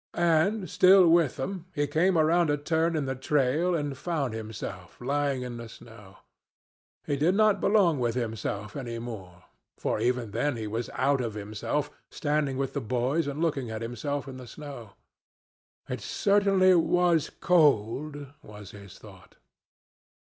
And, still with them, he came around a turn in the trail and found himself lying in the snow. He did not belong with himself any more, for even then he was out of himself, standing with the boys and looking at himself in the snow. It certainly was cold, was his thought.